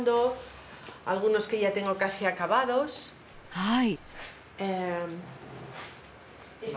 はい。